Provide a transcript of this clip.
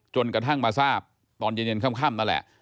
จนกระทั่งมาทราบตอนเย็นค่ำนั่นแหละ